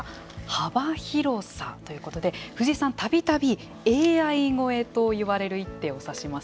幅広さということで藤井さん、たびたびＡＩ超えと言われる一手を指します。